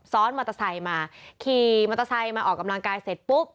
ซ้อนมอเตอร์ไซค์มาขี่มอเตอร์ไซค์มาออกกำลังกายเสร็จปุ๊บ